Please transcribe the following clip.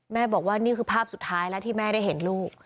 บอกว่านี่คือภาพสุดท้ายแล้วที่แม่ได้เห็นลูก